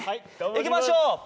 いきましょう！